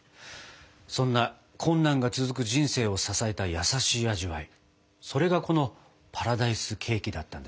そんな困難が続く人生を支えた優しい味わいそれがこのパラダイスケーキだったんですね。